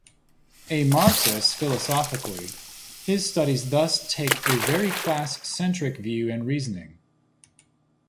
A Marxist philosophically, his studies thus take a very class-centric view and reasoning.